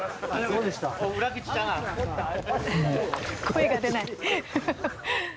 声が出ない。